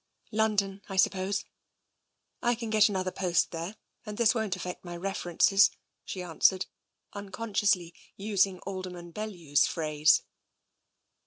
" London, I suppose. I can get another post there and this won't affect my references," she answered, un consciously using Alderman Bellew's phrase.